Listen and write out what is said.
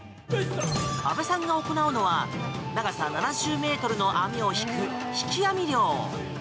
安部さんが行うのは長さ７０ｍの網を引く引き網漁。